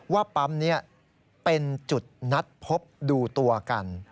ว่าปั๊มนี้เป็นจุดนัดพบดูตัวกัน